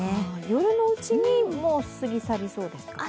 夜のうちにもう過ぎ去りそうですか？